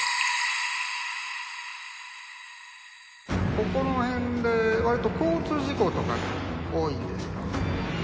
ここの辺でわりと交通事故とかが多いんですよ